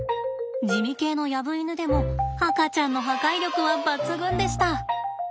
地味系のヤブイヌでも赤ちゃんの破壊力は抜群でした。